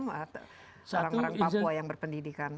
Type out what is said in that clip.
orang orang papua yang berpendidikan